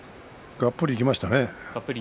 がっぷりいきましたね。